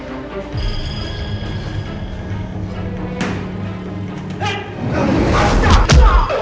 kalau ada aku pergi sama siapa